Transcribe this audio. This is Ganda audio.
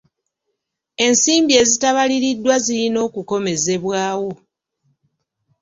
Ensimbi ezitabaliriddwa zirina okukomezebwawo.